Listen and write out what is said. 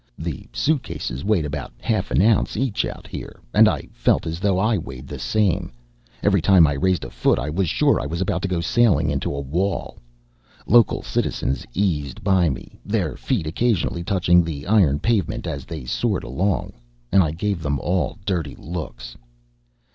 The suitcases weighed about half an ounce each out here, and I felt as though I weighed the same. Every time I raised a foot, I was sure I was about to go sailing into a wall. Local citizens eased by me, their feet occasionally touching the iron pavement as they soared along, and I gave them all dirty looks.